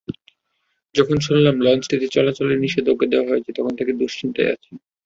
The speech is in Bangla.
যখন শুনলাম লঞ্চটির চলাচলে নিষেধাজ্ঞা দেওয়া হয়েছে, তখন থেকে দুশ্চিন্তায় আছি।